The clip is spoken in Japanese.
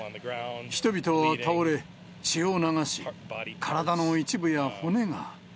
人々は倒れ、血を流し、体の一部や骨が。